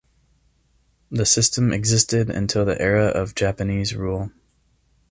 The system existed until the era of Japanese rule.